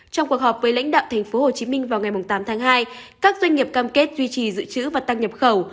trong cuộc họp với lãnh đạo thành phố hồ chí minh vào ngày tám tháng hai các doanh nghiệp cam kết duy trì dự trữ và tăng nhập khẩu